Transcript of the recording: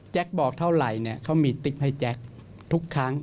บอกเท่าไหร่เนี่ยเขามีติ๊กให้แจ๊คทุกครั้ง